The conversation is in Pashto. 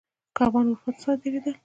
کبان اروپا ته صادرېدل.